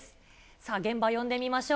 さあ、現場を呼んでみましょう。